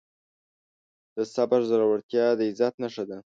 د صبر زړورتیا د عزت نښه ده.